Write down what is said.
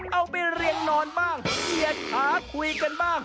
เอาไปเรียงนอนบ้างเหยียดขาคุยกันบ้าง